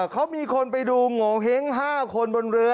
เขามีคนไปดูโงเห้ง๕คนบนเรือ